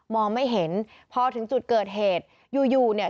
ไม่เห็นพอถึงจุดเกิดเหตุอยู่อยู่เนี่ย